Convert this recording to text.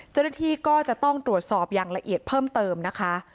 เจ้าหน้าที่ก็จะต้องตรวจสอบอย่างละเอียดเพิ่มเติมนะคะ